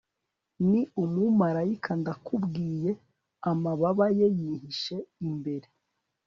ni umumarayika ndakubwiye Amababa ye yihishe imbere